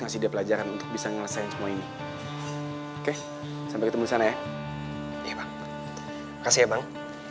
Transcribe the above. ngasih dia pelajaran untuk bisa ngelesain semua ini oke sampai ketemu sana ya bang kasih ya bang